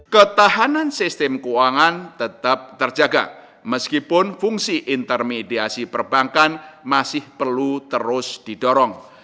ketahanan sistem keuangan tetap terjaga meskipun fungsi intermediasi perbankan masih perlu terus didorong